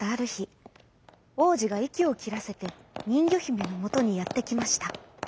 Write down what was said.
おうじがいきをきらせてにんぎょひめのもとにやってきました。